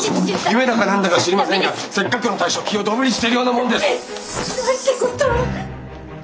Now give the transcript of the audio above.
夢だか何だか知りませんがせっかくの退職金をドブに捨てるようなもんです！なんてことを！